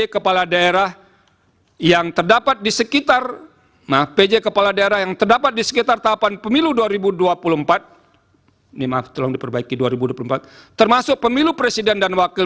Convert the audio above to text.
kepala daerah yang terdapat di sekitar tahapan pemilu dua ribu dua puluh empat termasuk pemilu presiden dan wakil